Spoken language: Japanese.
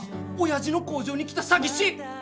おやじの工場に来た詐欺師。